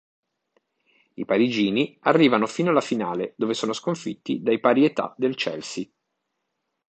I parigini arrivano fino alla finale, dove sono sconfitti dai pari età del Chelsea.